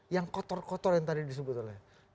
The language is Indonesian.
yang kotor kotor yang tadi disebut oleh